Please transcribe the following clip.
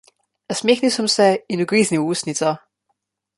Nasmehnil sem se in ugriznil v ustnico.